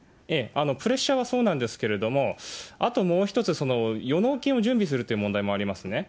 プレッシャーはそうなんですけれども、あともう一つ、予納金を準備するという問題もありますよね。